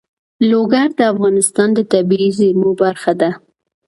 لوگر د افغانستان د طبیعي زیرمو برخه ده.